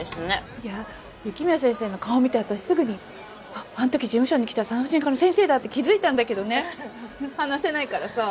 いや雪宮先生の顔見て私すぐにあっあの時事務所に来た産婦人科の先生だって気づいたんだけどね話せないからさ。